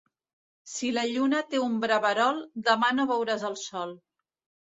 Si la lluna té un braverol, demà no veuràs el sol.